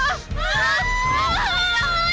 ya tuhan selamatkan aku